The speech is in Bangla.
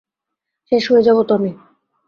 শেষ হয়ে যাবো তো আমি।